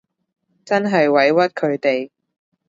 真係委屈佢哋